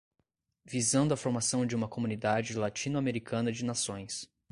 visando à formação de uma comunidade latino-americana de nações.